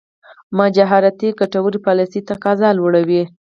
مهاجرتي ګټورې پالېسۍ تقاضا لوړوي.